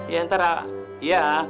ya ntar ya